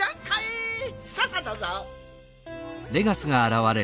さあさあどうぞ。